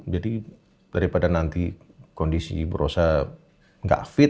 jadi daripada nanti kondisi bu rosa nggak fit